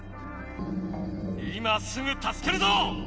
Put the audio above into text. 今すぐたすけるぞ！